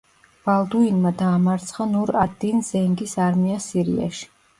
ბალდუინმა დაამარცხა ნურ ად-დინ ზენგის არმია სირიაში.